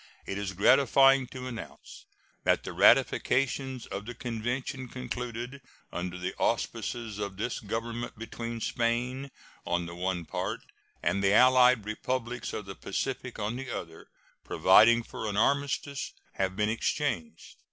It is gratifying to announce that the ratifications of the convention concluded under the auspices of this Government between Spain on the one part and the allied Republics of the Pacific on the other, providing for an armistice, have been exchanged.